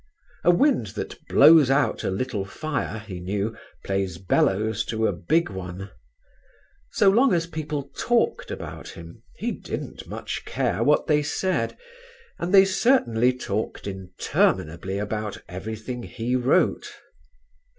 A wind that blows out a little fire, he knew, plays bellows to a big one. So long as people talked about him, he didn't much care what they said, and they certainly talked interminably about everything he wrote.